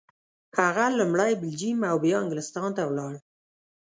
هغه لومړی بلجیم او بیا انګلستان ته ولاړ.